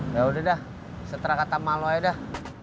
yaudah dah seterah kata malu aja dah